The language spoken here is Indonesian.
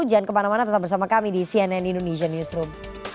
jangan kemana mana tetap bersama kami di cnn indonesian newsroom